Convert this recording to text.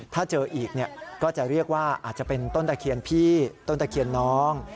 ถ้าเจออีกก็จะเรียกว่าอาจจะเป็นต้นตะเคียนพี่ต้นตะเคียนน้อง